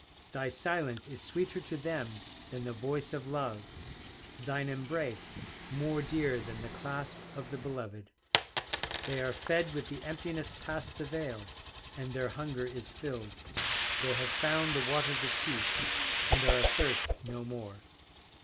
Thy silence is sweeter to them than the voice of love, Thine embrace more dear than the clasp of the beloved. They are fed with the emptiness past the veil, And their hunger is filled; They have found the waters of peace, And are athirst no more.